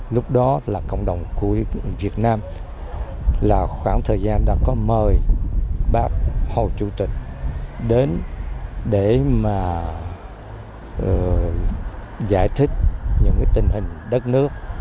lúc đó là cộng đồng của việt nam là khoảng thời gian đã có mời bác hồ chủ tịch đến để mà giải thích những tình hình đất nước